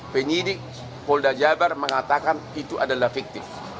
penyidik polda jabar mengatakan itu adalah fiktif